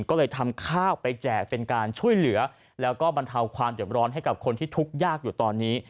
ก็เลยทำข้าวไปแจกเป็นการช่วยเหลือแล้วก็บรรเทาความเด็บร้อนให้กับคนที่ทุกข์ยากอยู่ตอนนี้